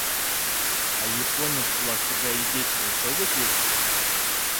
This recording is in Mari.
— А японец-влак тыгай игече деч огыт лӱд?